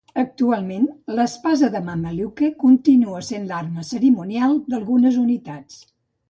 Actualment, l'espasa de Mameluke continua sent l'arma cerimonial d'algunes unitats.